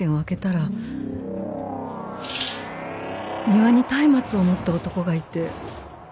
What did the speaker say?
庭に松明を持った男がいて。